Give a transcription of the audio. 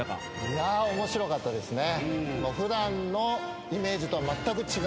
いやあ面白かったですね。